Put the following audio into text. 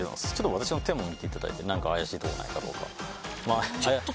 私の手も見ていただいて何か怪しいところないかどうか。